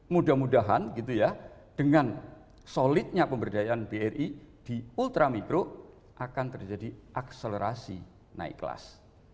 mudah mudahan dengan solidnya pemberdayaan bri di ultra mikro akan terjadi akselerasi naik kelas